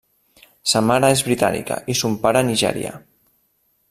Sa mare és britànica i son pare nigerià.